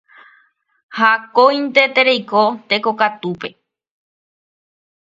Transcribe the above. Ha akóinte tereiko tekokatúpe